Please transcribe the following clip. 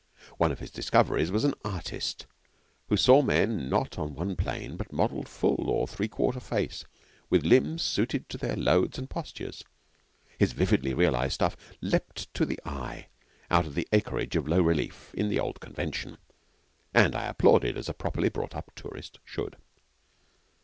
One of his discoveries was an artist, who saw men not on one plane but modelled full or three quarter face, with limbs suited to their loads and postures. His vividly realised stuff leaped to the eye out of the acreage of low relief in the old convention, and I applauded as a properly brought up tourist should.